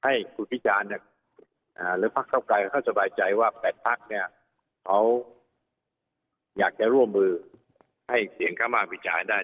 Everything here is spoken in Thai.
ให้คุณพิจารหรือภักดิ์ทรัพย์ไกรเข้าสบายใจว่า๘พักเนี่ยเขาอยากจะร่วมมือให้เสียงข้ามาพิจารได้